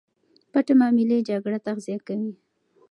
پټې معاملې جګړه تغذیه کوي.